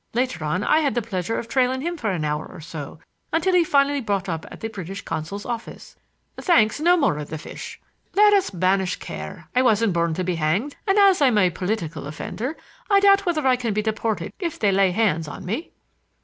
Later on I had the pleasure of trailing him for an hour or so until he finally brought up at the British consul's office. Thanks; no more of the fish. Let us banish care. I wasn't born to be hanged; and as I'm a political offender, I doubt whether I can be deported if they lay hands on me."